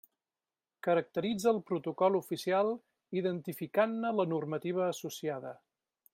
Caracteritza el protocol oficial identificant-ne la normativa associada.